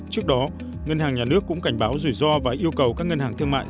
trước đó ngân hàng nhà nước cũng cảnh báo rủi ro và yêu cầu các ngân hàng thương mại